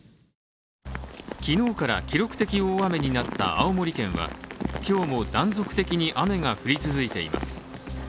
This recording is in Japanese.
昨日から記録的大雨になった青森県は今日も断続的に雨が降り続いています。